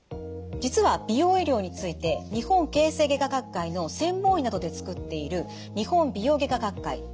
実は美容医療について日本形成外科学会の専門医などで作っている日本美容外科学会